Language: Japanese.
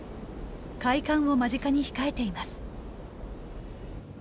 開館を間近に控えています。